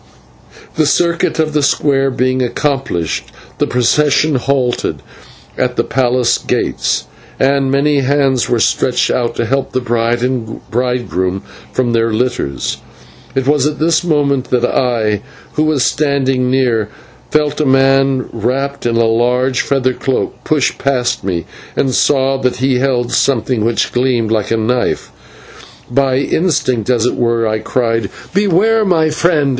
The circuit of the square being accomplished, the procession halted at the palace gates, and many hands were stretched out to help the bride and bridegroom from their litters. It was at this moment that I, who was standing near, felt a man wrapped in a large feather cloak push past me, and saw that he held something which gleamed like a knife. By instinct, as it were, I cried, "Beware, my friend!"